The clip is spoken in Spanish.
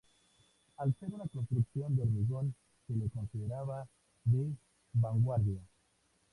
Al ser una construcción de hormigón se lo consideraba de vanguardia.